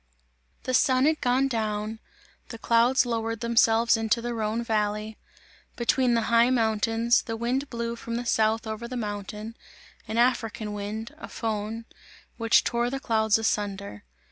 The sun had gone down; the clouds lowered themselves into the Rhone valley between the high mountains; the wind blew from the south over the mountains an African wind, a Föhn, which tore the clouds asunder.